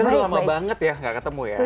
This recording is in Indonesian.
kita udah lama banget ya gak ketemu ya